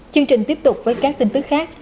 chương trình tiếp tục với các tin tức khác